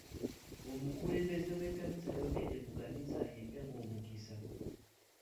Omukulembeze w'ekkanisa yayogedde ku kkanisa empya ng'omukisa.